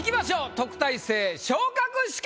「特待生昇格試験」！